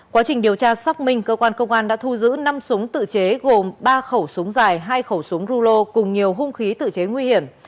quá trình điều tra xác minh cơ quan công an đã thu giữ năm súng tự chế gồm ba khẩu súng dài hai khẩu súng rulo cùng nhiều hung khí tự chế nguy hiểm